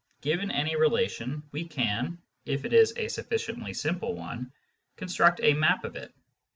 Given any relation, we can, if it is a sufficiently simple one, construct a map of it.